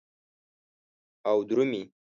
او درومې